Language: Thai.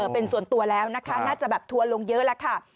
เป็นส่วนตัวแล้วนะคะน่าจะแบบทัวร์ลงเยอะแล้วค่ะ